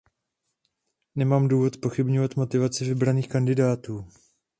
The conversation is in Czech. Nemám důvod zpochybňovat motivaci vybraných kandidátů.